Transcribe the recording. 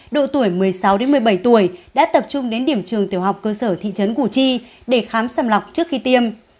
độ tuổi một mươi sáu một mươi bảy tuổi đã tập trung đến điểm trường tiểu học cơ sở thị trấn củ chi để khám sầm lọc trước khi tiêm